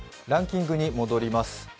ランキングに戻ります。